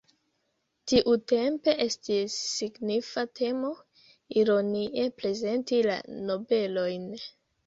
Tiutempe estis signifa temo ironie prezenti la nobelojn.